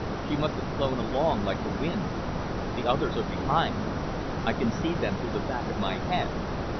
She must have flown along like the wind. The others are behind. I can see them through the back of my head.